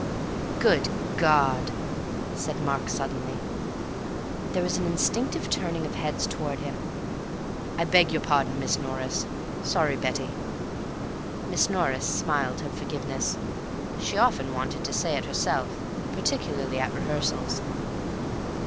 "Good God!" said Mark suddenly. There was an instinctive turning of heads towards him. "I beg your pardon, Miss Norris. Sorry, Betty." Miss Norris smiled her forgiveness. She often wanted to say it herself, particularly at rehearsals.